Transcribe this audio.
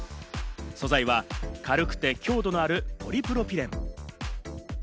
素材は軽くて強度のあるポリプロピレン。